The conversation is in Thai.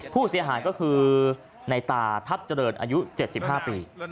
ผู้เสียหายก็คือในตาทัพเจริญอายุ๗๕ปี